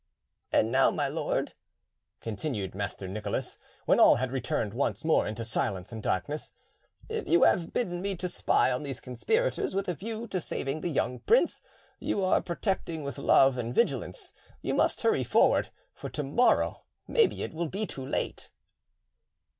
"And now, my lord," continued Master Nicholas, when all had returned once more into silence and darkness, "if you have bidden me spy on these conspirators with a view to saving the young prince you are protecting with love and vigilance, you must hurry forward, for to morrow maybe it will be too late."